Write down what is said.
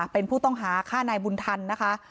เป็นผู้ต้องหาฆ่านายบุญทันนะคะ